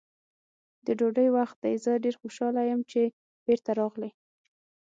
د ډوډۍ وخت دی، زه ډېر خوشحاله یم چې بېرته راغلې.